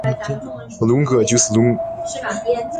龙哥就是龙！